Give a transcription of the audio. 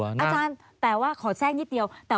แต่ว่าขอแทรกนิดเดียวแต่ว่าเราสูบน้ำ